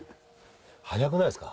早くないですか？